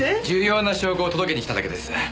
重要な証拠を届けにきただけです。